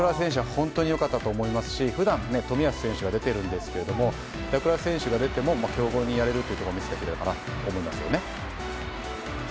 本当に良かったと思いますし普段、冨安選手が出ているんですけど板倉選手が出ても強豪にやれるというところを見せてくれたかなと思いますね。